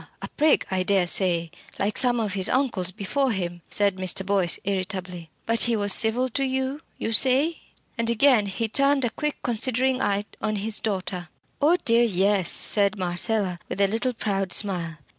a prig I dare say like some of his uncles before him," said Mr. Boyce, irritably. "But he was civil to you, you say?" And again he turned a quick considering eye on his daughter. "Oh dear! yes," said Marcella, with a little proud smile.